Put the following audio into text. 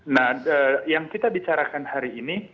nah yang kita bicarakan hari ini